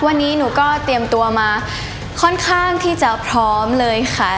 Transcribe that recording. วันนี้หนูก็เตรียมตัวมาค่อนข้างที่จะพร้อมเลยค่ะ